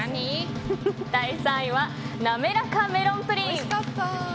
第３位はなめらかメロンプリン。